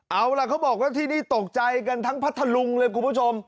เอาล่ะเขาบอกว่าที่นี่ตกใจกันทั้งพัทธลุงเลยคุณผู้ชม